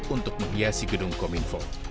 untuk menghiasi gedung komunikasi